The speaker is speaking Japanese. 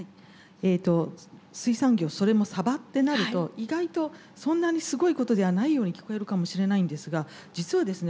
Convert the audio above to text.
えっと水産業それもサバってなると意外とそんなにすごいことではないように聞こえるかもしれないんですが実はですね